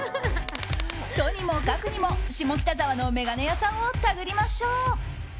とにもかくにも下北沢の眼鏡屋さんをタグりましょう。